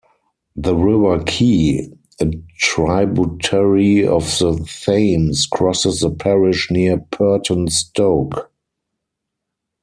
The River Key, a tributary of the Thames, crosses the parish near Purton Stoke.